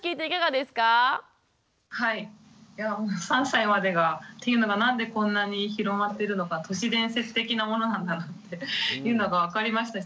３歳までがっていうのがなんでこんなに広まってるのか都市伝説的なものなんだなっていうのが分かりました。